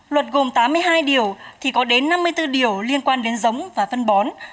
luật gồm tám mươi hai điều thì có đến năm mươi bốn điều liên quan đến giống và phân bón